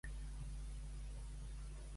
En quines dates va ocórrer aquest canvi climàtic?